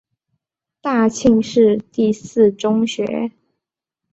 大庆市第四中学。